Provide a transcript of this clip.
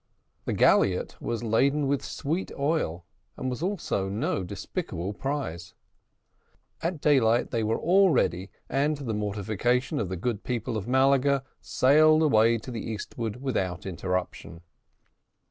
The galliot was laden with sweet oil, and was also no despicable prize. At daylight they were all ready, and, to the mortification of the good people of Malaga, sailed away to the eastward without interruption.